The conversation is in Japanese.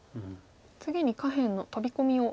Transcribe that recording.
次に下辺のトビ込みを。